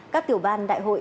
các tiểu ban đại hội